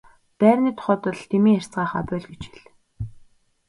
Байрны тухайд бол дэмий ярьцгаахаа боль гэж хэл.